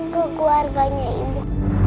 ke keluarganya ibu